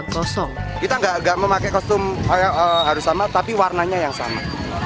kosong kita nggak memakai kostum harus sama tapi warnanya yang sama